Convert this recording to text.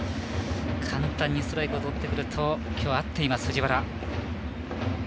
簡単にストライクをとってくるときょうは合っています藤原。